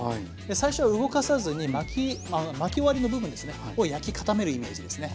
最初は動かさずに巻き終わりの部分ですねを焼き固めるイメージですね。